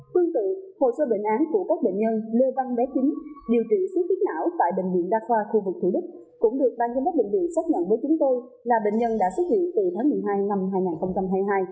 tương tự hồ sơ bệnh án của các bệnh nhân lê văn bé chính điều trị suốt huyết não tại bệnh viện đa khoa khu vực thủ đức cũng được ban giám đốc bệnh viện xác nhận với chúng tôi là bệnh nhân đã xuất hiện từ tháng một mươi hai năm hai nghìn hai mươi hai